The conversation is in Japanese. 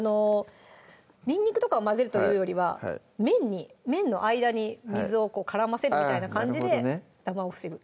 にんにくとかを混ぜるというよりは麺の間に水を絡ませるみたいな感じでダマを防ぐ